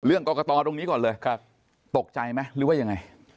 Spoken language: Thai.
กรกตตรงนี้ก่อนเลยตกใจไหมหรือว่ายังไง